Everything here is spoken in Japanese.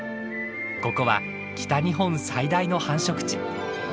ここは北日本最大の繁殖地。